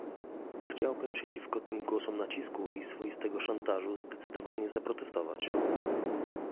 Chciałbym przeciwko tym głosom nacisku i swoistego szantażu zdecydowanie zaprotestować